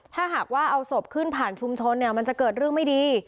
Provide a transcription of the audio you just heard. ถ้าหากว่าเอาศพขึ้นผ่านชุมชนเนี่ยมันจะเกิดเรื่องไม่ดี